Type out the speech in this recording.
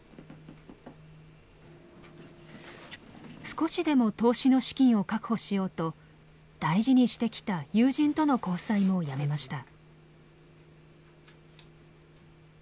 少しでも投資の資金を確保しようと大事にしてきた友人との交際もやめました。